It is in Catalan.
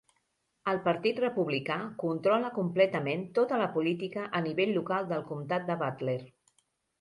El Partit Republicà controla completament tota la política a nivell local del Comtat de Butler.